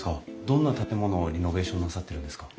どんな建物をリノベーションなさってるんですか？